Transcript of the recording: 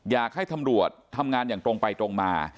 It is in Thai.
อยากให้ตำรวจทำงานอย่างตรงไปตรงมา